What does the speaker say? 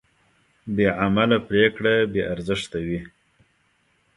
بېعمله پرېکړه بېارزښته وي.